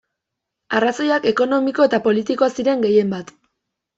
Arrazoiak ekonomiko eta politikoak ziren gehienbat.